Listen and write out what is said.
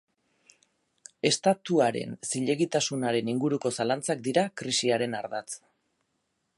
Estatuaren zilegitasunaren inguruko zalantzak dira krisiaren ardatz.